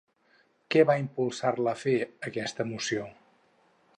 Què va impulsar-la a fer, aquesta emoció?